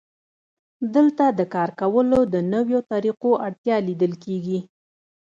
دلته د کار کولو د نویو طریقو اړتیا لیدل کېږي